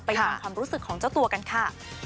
ฟังความรู้สึกของเจ้าตัวกันค่ะ